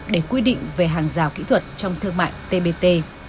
để quy định về hàng rào kỹ thuật trong thương mại tbt